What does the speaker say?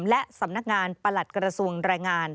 และสำนักงานประหลัดกระทรวงแรงงาน